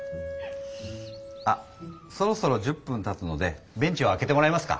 あそろそろ１０分たつのでベンチをあけてもらえますか？